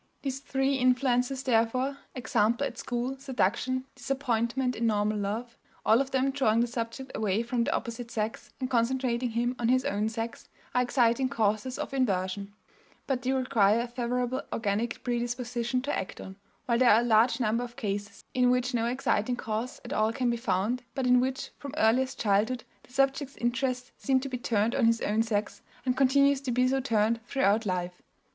These three influences, therefore, example at school, seduction, disappointment in normal love, all of them drawing the subject away from the opposite sex and concentrating him on his own sex, are exciting causes of inversion; but they require a favorable organic predisposition to act on, while there are a large number of cases in which no exciting cause at all can be found, but in which, from earliest childhood, the subject's interest seems to be turned on his own sex, and continues to be so turned throughout life.